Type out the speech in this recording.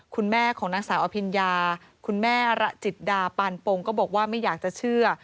คุณแม่ของนางสาวอภิญญาคุณแม่ระจิตดาปานปงก็บอกว่าไม่อยากจะเชื่อ